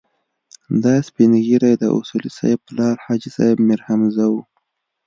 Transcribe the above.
دا سپين ږيری د اصولي صیب پلار حاجي صیب میرحمزه و.